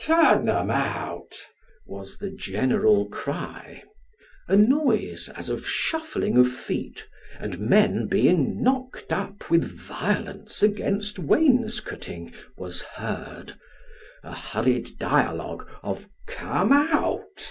" Turn them out !" was the general cry. A noise as of shuffling of feet, and men being knocked up with violence against wainscoting, was heard : a hurried dialogue of " Come out